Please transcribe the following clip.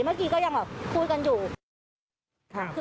เมื่อกี้ก็ยังแบบพูดกันอยู่